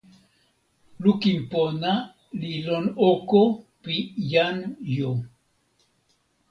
lukin pona li lon oko pi jan jo.